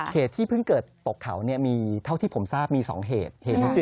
เหตุที่เพิ่งเกิดตกเขามีเท่าที่ผมทราบมี๒เหตุ